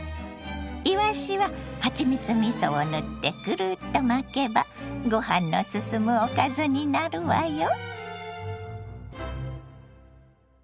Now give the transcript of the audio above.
いわしははちみつみそを塗ってグルッと巻けばご飯の進むおかずになるわよ。